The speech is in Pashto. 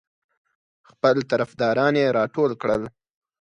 خپل طرفداران یې راټول کړل.